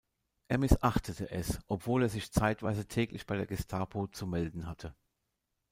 Er missachtete es, obwohl er sich zeitweise täglich bei der Gestapo zu melden hatte.